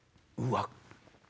うわっ！